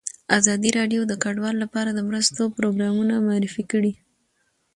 ازادي راډیو د کډوال لپاره د مرستو پروګرامونه معرفي کړي.